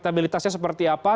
ketua umum dari partai ini